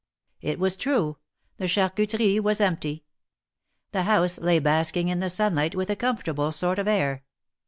It was true: the Charcuterie was empty. The house lay basking in the sunlight with a comfortable soi't of air.